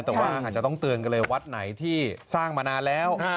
แต่ว่าอาจจะต้องเตือนกันเลยวัดไหนที่สร้างมานานแล้ว